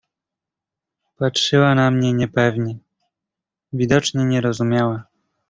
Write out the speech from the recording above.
"Patrzyła na mnie niepewnie; widocznie nie rozumiała."